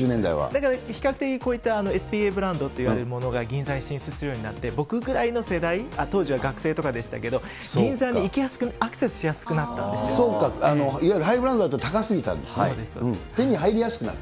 だから比較的ＳＰＡブランドってものが銀座に進出するようになって、僕ぐらいの世代、当時は学生とかでしたけど、銀座に行きやすく、アクセスしやすくなったそうか、いわゆるハイブランドだったら高すぎたんですね、手に入りやすくなった。